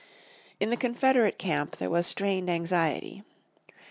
In the Confederate camp there was strained anxiety.